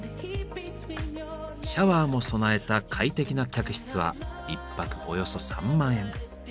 シャワーも備えた快適な客室は１泊およそ３万円。